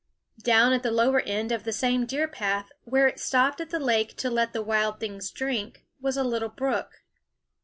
THE WOODS Down at the lower end of the same deer path, where it stopped at the lake to let the wild things drink, was a little brook.